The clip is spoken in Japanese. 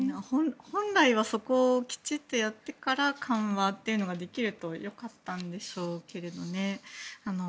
本来はそこをきちっとやってから緩和というのができると良かったんでしょうけれどね。